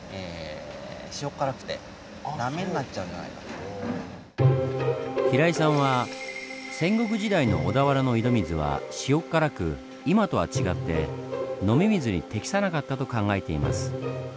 例えば平井さんは戦国時代の小田原の井戸水は塩辛く今とは違って飲み水に適さなかったと考えています。